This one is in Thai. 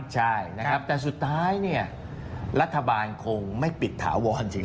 ใช่แต่สุดท้ายรัฐบาลคงไม่ปิดถาวรจริงไหม